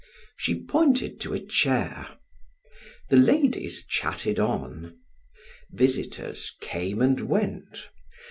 She pointed to a chair. The ladies chatted on. Visitors came and went.